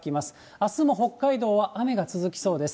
あすも北海道は雨が続きそうです。